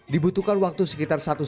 dibutuhkan waktu sekitar satu setengah menit